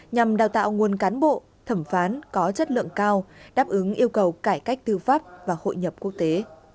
nhằm đào tạo nguồn cán bộ thẩm phán có chất lượng cao đáp ứng yêu cầu cải cách tư pháp và hội nhập quốc tế